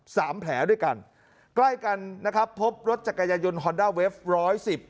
สามแผลด้วยกันใกล้กันนะครับพบรถจักรยายนฮอนด้าเวฟร้อยสิบ